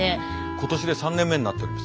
今年で３年目になっております。